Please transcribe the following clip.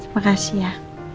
terima kasih ya